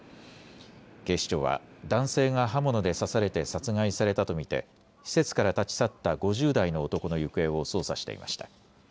警視庁は男性が刃物で刺されて殺害されたと見て施設から立ち去った５０代の男の行方を捜査していました。